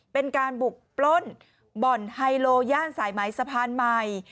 เป็นการบุกปล้นบ่อนไฮโลย่านสายไหมสะพานใหม่